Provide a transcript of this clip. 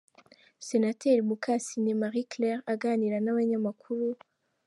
Senateri Mukasine Marie Claire aganira n’abanyamakuru.